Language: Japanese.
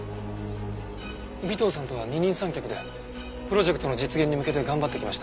尾藤さんとは二人三脚でプロジェクトの実現に向けて頑張ってきました。